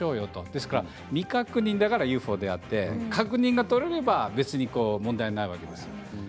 だから未確認だからＵＦＯであって確認が取れれば別に問題ないわけですよ。